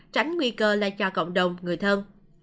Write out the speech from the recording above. tránh nguy cơ lại cho cộng đồng người thân